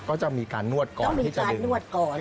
ก็จะมีการนวดก่อนที่จะดึงต้องมีการนวดก่อน